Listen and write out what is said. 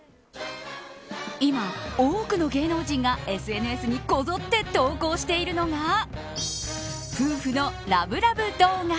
今、多くの芸能人がＳＮＳにこぞって投稿しているのが夫婦のラブラブ動画。